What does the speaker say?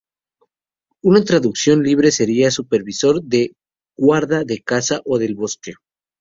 Una traducción libre sería supervisor de guarda de caza o del bosque.